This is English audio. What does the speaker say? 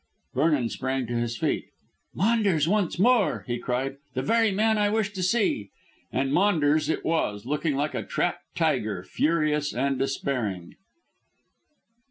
Vernon sprang to his feet. "Maunders once more!" He cried; "The very man I wish to see." And Maunders it was, looking like a trapped tiger, furious and despairing.